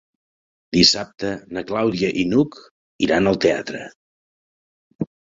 Dissabte na Clàudia i n'Hug iran al teatre.